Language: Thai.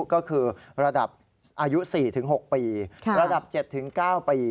ก็คือระดับอายุ๔๖ปีระดับ๗๙ปี